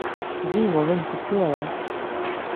Dzīvo viņpus ielai.